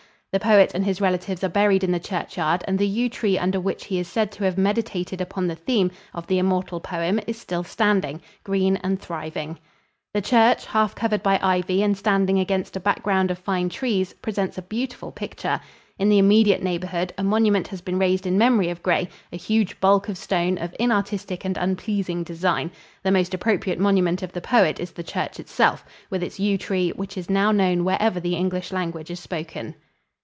The poet and his relatives are buried in the churchyard and the yew tree under which he is said to have meditated upon the theme of the immortal poem is still standing, green and thriving. The church, half covered by ivy and standing against a background of fine trees, presents a beautiful picture. In the immediate neighborhood a monument has been raised in memory of Gray a huge bulk of stone of inartistic and unpleasing design. The most appropriate monument of the poet is the church itself, with its yew tree, which is now known wherever the English language is spoken.